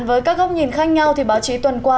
với các góc nhìn khác nhau thì báo chí tuần qua